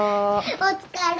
お疲れ。